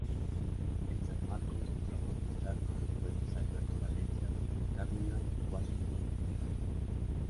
En San Marcos trabó amistad con los poetas Alberto Valencia Cárdenas y Washington Delgado.